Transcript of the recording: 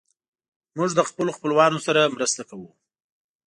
موږ له خپلو خپلوانو سره مرسته کوو.